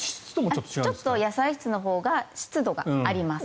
ちょっと野菜室のほうが湿度があります。